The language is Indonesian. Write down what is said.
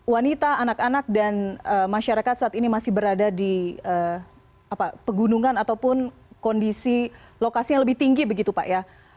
wanita anak anak dan masyarakat saat ini masih berada di pegunungan ataupun kondisi lokasi yang lebih tinggi begitu pak ya